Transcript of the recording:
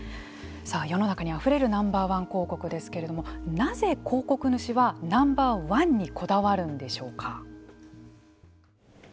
世の中にあふれるＮｏ．１広告ですけれどもなぜ広告主はＮｏ．１にこだわるんでしょうか。